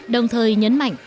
đồng thời nhấn mạnh